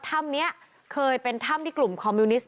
ถ้ำนี้เคยเป็นถ้ำที่กลุ่มคอมมิวนิสต